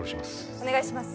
お願いします